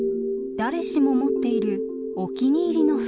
誰しも持っているお気に入りの服。